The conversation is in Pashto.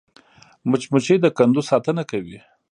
مچمچۍ د کندو ساتنه کوي